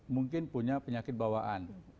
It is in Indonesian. mungkin punya penyakit bawaan